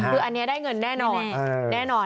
คืออันนี้ได้เงินแน่นอน